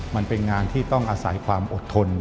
มันเป็นงานที่ต้องอาศัยความอดทน